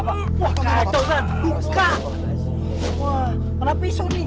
kau kaget kan